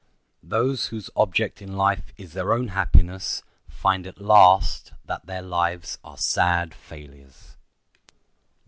Those whose object in life is their own happiness find at last that their lives are sad failures.